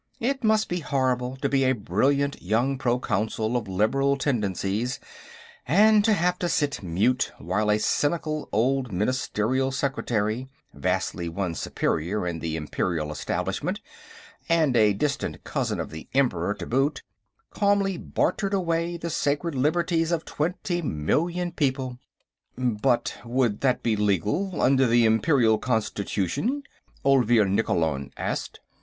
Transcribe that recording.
It must be horrible to be a brilliant young Proconsul of liberal tendencies and to have to sit mute while a cynical old Ministerial Secretary, vastly one's superior in the Imperial Establishment and a distant cousin of the Emperor to boot, calmly bartered away the sacred liberties of twenty million people. "But would that be legal, under the Imperial Constitution?" Olvir Nikkolon asked.